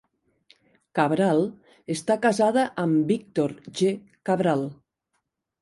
Cabral està casada amb Víctor G. Cabral.